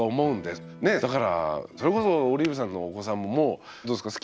ねえだからそれこそオリーブさんのお子さんもどうですか？